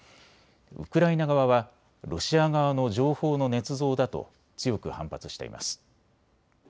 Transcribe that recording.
ウクライナ側はロシア側の情報のねつ造だと強く反発しています。